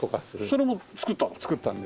それも造ったの？